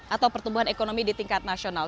atau pertumbuhan ekonomi di tingkat nasional